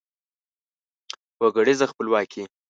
وګړیزه خپلواکي